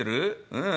「うん」。